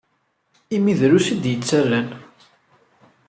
Imi drus i d-yettarran.